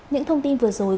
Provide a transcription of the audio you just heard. những thông tin vừa rồi